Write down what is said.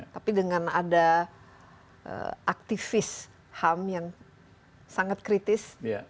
tapi dengan ada aktivis ham yang sangat kritis